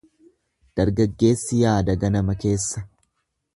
Dargaggeessi yaada ganama keessa.